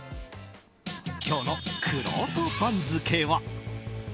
今日のくろうと番付は。